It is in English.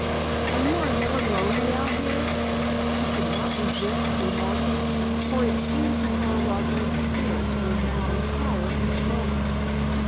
"And you are never lonely out here?" she could not resist remarking, for it seemed to her Rosalind's spirits were mounting higher each moment.